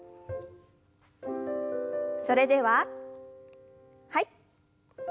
それでははい。